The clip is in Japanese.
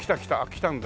来たんだ。